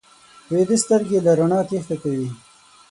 ویده سترګې له رڼا تېښته کوي